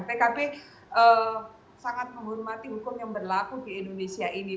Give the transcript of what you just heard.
pkb sangat menghormati hukum yang berlaku di indonesia ini